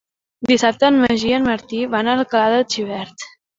Dissabte en Magí i en Martí van a Alcalà de Xivert.